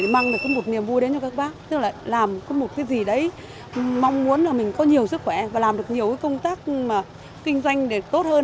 một cái gì đấy mong muốn là mình có nhiều sức khỏe và làm được nhiều công tác kinh doanh tốt hơn